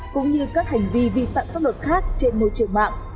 cũng như các hành vi vi phạm pháp luật khác trên môi trường mạng